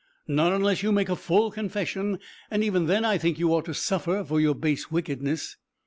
"Not unless you make a full confession; and even then I think you ought to suffer for your base wickedness."